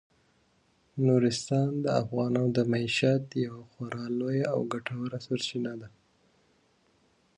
نورستان د افغانانو د معیشت یوه خورا لویه او ګټوره سرچینه ده.